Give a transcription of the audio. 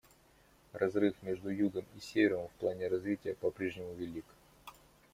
Разрыв между Югом и Севером в плане развития по-прежнему велик.